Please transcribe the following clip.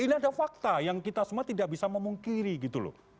ini ada fakta yang kita semua tidak bisa memungkiri gitu loh